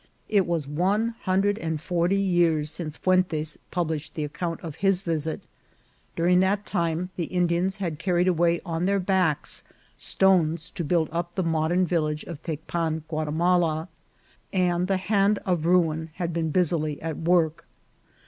It was one hundred and forty years since Fuentes published the account of his visit ; during that time the Indians had carried away on their backs stones to build up the modern village of Tecpan Guatimala, and the hand of ruin had been busily at work.